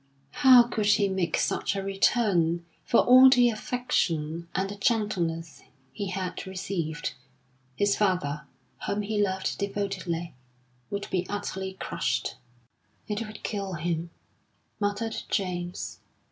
How could he make such a return for all the affection and the gentleness be had received? His father, whom he loved devotedly, would be utterly crushed. "It would kill him," muttered James.